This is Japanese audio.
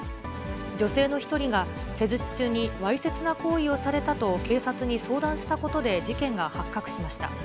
女性の１人が、施術中にわいせつな行為をされたと警察に相談したことで、事件が発覚しました。